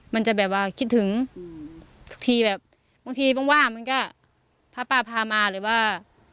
มันจะแบบว่าคิดถึงทีแบบบางทีบ้างว่ามันก็ถ้าป้าพามาหรือว่า